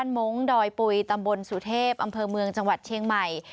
มงค์ดอยปุ๋ยตำบลสุเทพอำเภอเมืองจังหวัดเชียงใหม่